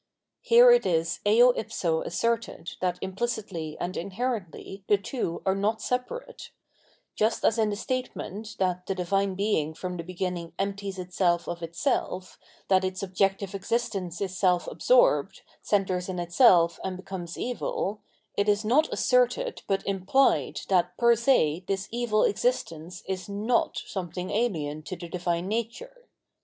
Here it is eo if so asserted that implicitly and inherently the two are not separate : just as in the statement, that the Divine Being from the beginning empties Itself of Itself, that its objective existence is seh absorbed, centres in Itself and becomes evil, it is not asserted but impKed that fcr se this evil existence is not something alien to the Divine nature.